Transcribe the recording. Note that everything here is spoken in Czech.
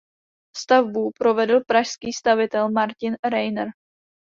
Stavbu provedl pražský stavitel Martin Reiner.